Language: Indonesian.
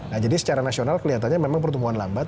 nah jadi secara nasional kelihatannya memang pertumbuhan lambat